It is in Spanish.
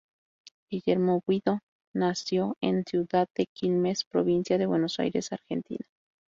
Guillermo Guido nació en ciudad de Quilmes, Provincia de Buenos Aires, Argentina.